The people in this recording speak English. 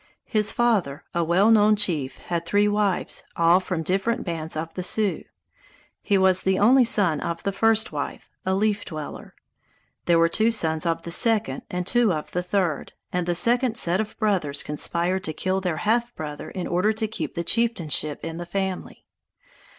His father, a well known chief, had three wives, all from different bands of the Sioux. He was the only son of the first wife, a Leaf Dweller. There were two sons of the second and two of the third wife, and the second set of brothers conspired to kill their half brother in order to keep the chieftainship in the family.